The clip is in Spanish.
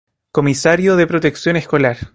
Comisario de Protección Escolar.